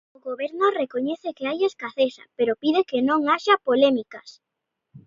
O Goberno recoñece que hai escaseza, pero pide que non haxa polémicas.